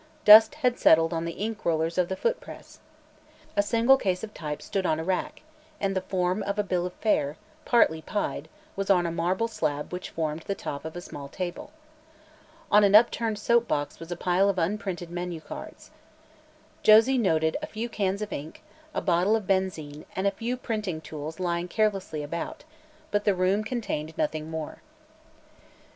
Dust had settled on the ink rollers of the foot press. A single case of type stood on a rack and the form of a bill of fare partly "pied" was on a marble slab which formed the top of a small table. On an upturned soap box was a pile of unprinted menu cards. Josie noted a few cans of ink, a bottle of benzine, and a few printing tools lying carelessly about, but the room contained nothing more.